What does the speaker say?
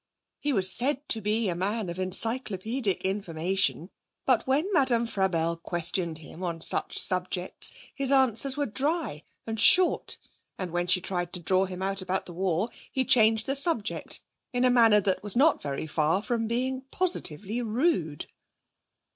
He was said to be a man of encyclopaedic information; but when Madame Frabelle questioned him on such subjects his answers were dry and short; and when she tried to draw him out about the war, he changed the subject in a manner that was not very far from being positively rude.